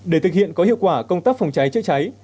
để thực hiện có hiệu quả công tác phòng cháy chữa cháy